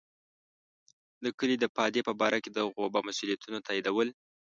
د کلي د پادې په باره کې د غوبه مسوولیتونه تاییدول.